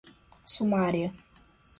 sumária